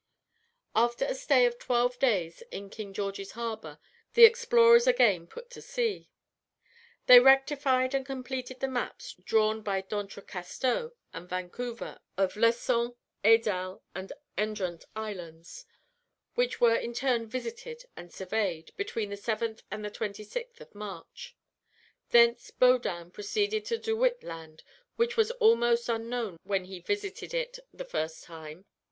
After a stay of twelve days in King George's Harbour, the explorers again put to sea. They rectified and completed the maps drawn by D'Entrecasteaux and Vancouver of Lecon, Edel, and Endrant Lands, which were in turn visited and surveyed, between the 7th and the 26th of March. Thence Baudin proceeded to De Witt Land, which was almost unknown when he visited it the first time.